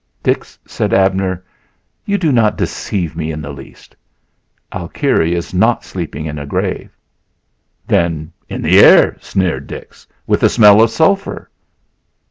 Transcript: "Dix," said Abner, "you do not deceive me in the least; Alkire is not sleeping in a grave." "Then in the air," sneered Dix, "with the smell of sulphur?"